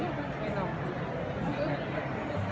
อีกไกะงกอยดีกว่าน้อง